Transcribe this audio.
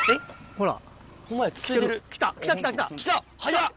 ほら。